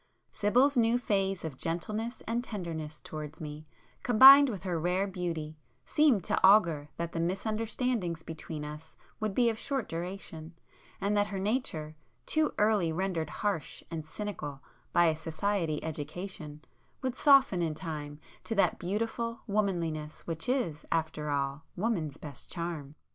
Sibyl's new phase of gentleness and tenderness towards me, combined with her rare beauty, seemed to augur that the misunderstandings between us would be of short duration, and that her nature, too early rendered harsh and cynical by a 'society' education would soften in time to that beautiful womanliness which is, after all, woman's best charm.